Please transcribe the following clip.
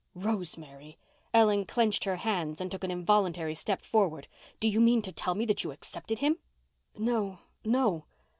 "Rosemary." Ellen clenched her hands and took an involuntary step forward. "Do you mean to tell me that you accepted him?" "No—no."